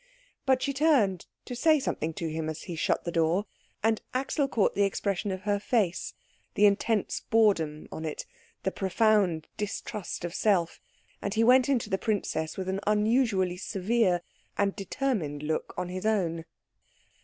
But she turned to say something to him as he shut the door, and Axel caught the expression of her face, the intense boredom on it, the profound distrust of self; and he went in to the princess with an unusually severe and determined look on his own.